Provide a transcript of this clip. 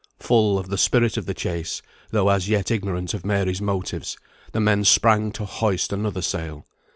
Full of the spirit of the chase, though as yet ignorant of Mary's motives, the men sprang to hoist another sail.